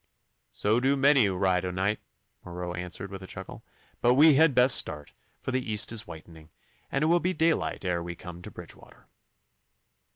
'So do many who ride o' night,' Marot answered, with a chuckle. 'But we had best start, for the east is whitening, and it will be daylight ere we come to Bridgewater.